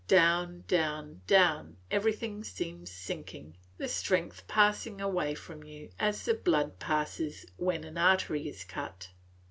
Down, down, down, everything seems sinking, the strength passing away from you as the blood passes when an artery is cut.